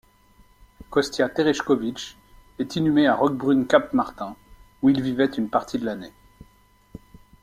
Kostia Terechkovitch est inhumé à Roquebrune-Cap-Martin, où il vivait une partie de l'année.